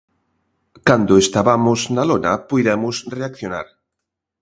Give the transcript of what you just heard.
Cando estabamos na lona puidemos reaccionar.